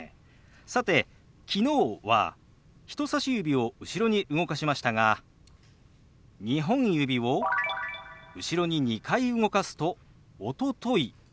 さて「昨日」は人さし指を後ろに動かしましたが２本指を後ろに２回動かすと「おととい」。